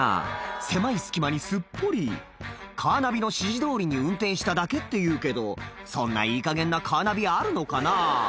狭い隙間にすっぽり「カーナビの指示通りに運転しただけ」って言うけどそんないいかげんなカーナビあるのかな？